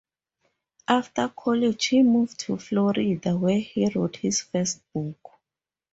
After college he moved to Florida, where he wrote his first book.